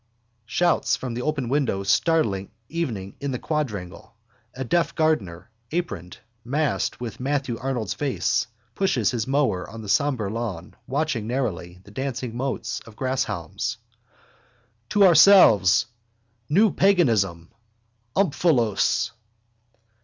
Shouts from the open window startling evening in the quadrangle. A deaf gardener, aproned, masked with Matthew Arnold's face, pushes his mower on the sombre lawn watching narrowly the dancing motes of grasshalms. To ourselves... new paganism... omphalos.